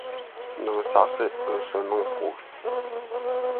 Niŋ saɣisi n-so niŋ pooi.